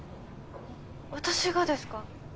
私がですか？